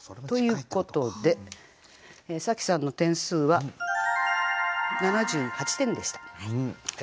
ということで紗季さんの点数は７８点でした。